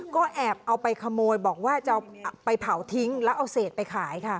ก็แอบเอาไปขโมยบอกว่าจะไปเผาทิ้งแล้วเอาเศษไปขายค่ะ